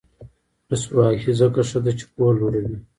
ولسواکي ځکه ښه ده چې پوهه لوړوي.